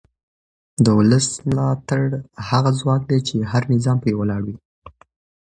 د ولس ملاتړ هغه ځواک دی چې هر نظام پرې ولاړ وي